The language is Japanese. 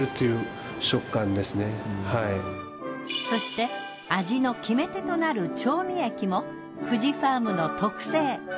そして味の決め手となる調味液も久慈ファームの特製。